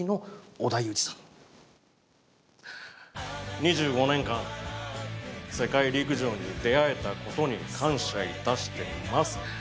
２５年間、世界陸上に出会えたことに感謝いたしています。